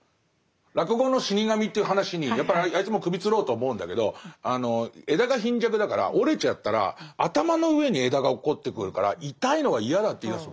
落語の「死神」という話にやっぱりあいつも首つろうと思うんだけど枝が貧弱だから折れちゃったら頭の上に枝が落っこってくるから痛いのが嫌だって言いだすの。